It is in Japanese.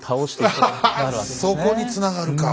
そこにつながるか。